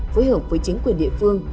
phối hợp với chính quyền địa phương